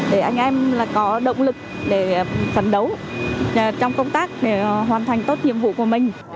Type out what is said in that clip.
để anh em có động lực để phấn đấu trong công tác để hoàn thành tốt nhiệm vụ của mình